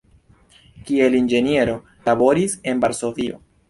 Kiel inĝeniero laboris en Varsovio.